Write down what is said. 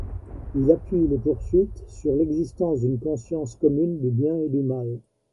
Il appuie les poursuites sur l'existence d'une conscience commune du bien et du mal.